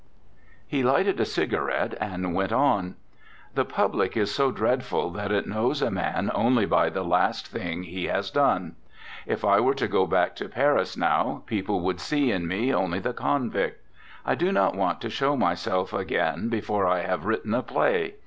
He lighted a cigarette and went on: 'The public is so dreadful that it knows a man only by the last thing he has done. If I were to go back to Paris now, people would see in me only the convict. I do not want to show myself again before I have written a play.